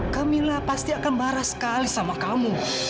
kamilah pasti akan marah sekali sama kamu